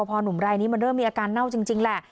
พอหนุ่มรายนี้มันเริ่มมีอาการเน่าจริงแหละ